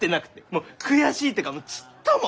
もう悔しいとかちっとも！